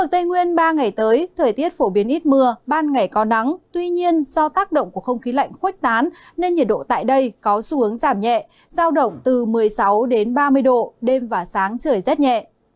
thời tiết phổ biến ít mưa ban ngày có nắng tuy nhiên do tác động của không khí lạnh khuếch tán nên nhiệt độ tại đây có xu hướng giảm nhẹ giao động từ một mươi sáu đến ba mươi độ đêm và sáng trời rất nhẹ